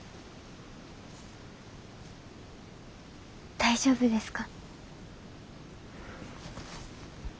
大丈夫ですか？